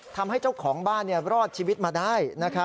ทำให้เจ้าของบ้านรอดชีวิตมาได้